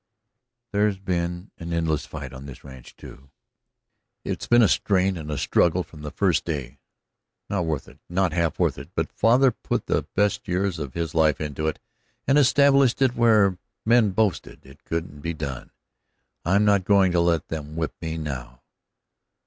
"There's been an endless fight on this ranch, too. It's been a strain and a struggle from the first day, not worth it, not worth half of it. But father put the best years of his life into it, and established it where men boasted it couldn't be done. I'm not going to let them whip me now."